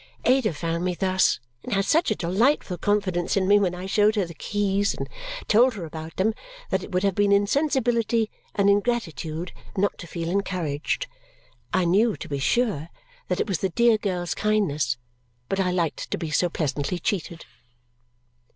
Ada found me thus and had such a delightful confidence in me when I showed her the keys and told her about them that it would have been insensibility and ingratitude not to feel encouraged. I knew, to be sure, that it was the dear girl's kindness, but I liked to be so pleasantly cheated.